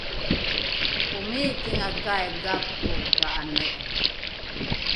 omikingakai gako dha’ane’o?